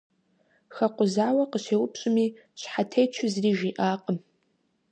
Хэкъузауэ къыщеупщӏми, щхьэтечу зыри жиӏакъым.